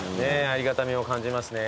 ありがたみを感じますね